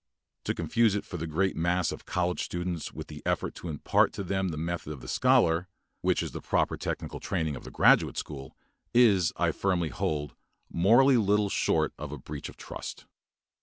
To confuse it for the great mass of college students with the effort to impart to them the method of the scholar, which is the proper technical training of the graduate school, is, I firmly hold, morally little short of a breach of trust.